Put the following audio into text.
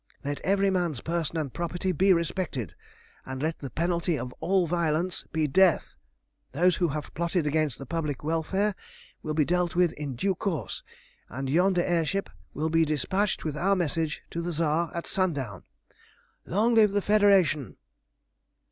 Let every man's person and property be respected, and let the penalty of all violence be death. Those who have plotted against the public welfare will be dealt with in due course, and yonder air ship will be despatched with our message to the Tsar at sundown. Long live the Federation!"